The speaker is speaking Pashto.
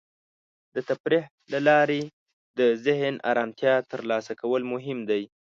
د تفریح له لارې د ذهن ارامتیا ترلاسه کول مهم دی.